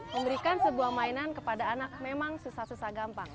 memberikan sebuah mainan kepada anak memang susah susah gampang